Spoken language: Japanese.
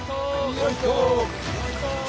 よいと。